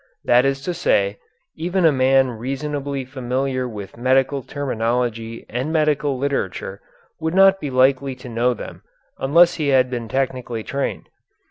That is to say, even a man reasonably familiar with medical terminology and medical literature would not be likely to know them unless he had been technically trained.